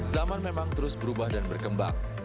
zaman memang terus berubah dan berkembang